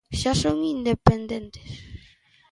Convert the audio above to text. Xa son independentes.